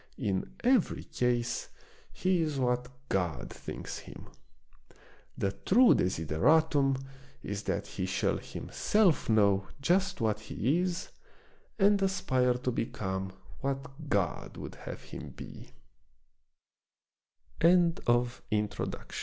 In every case he is what God thinks him. The true desideratum IS that he shall himself know just what he is, and aspire to become what God would have h